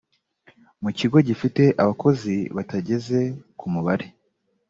mu kigo gifite abakozi batageze ku mubare